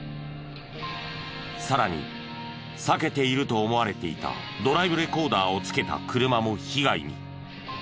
さらに避けていると思われていたドライブレコーダーを付けた車も被害に。